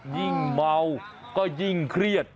ยิ่งเมาก็ยิ่งเครียด